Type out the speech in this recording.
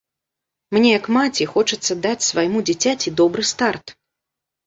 Мне як маці хочацца даць свайму дзіцяці добры старт.